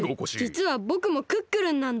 じつはぼくもクックルンなんだ！